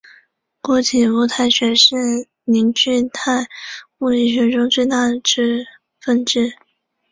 固体物理学是凝聚态物理学中最大的分支。